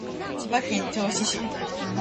千葉県銚子市